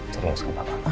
serius gak apa apa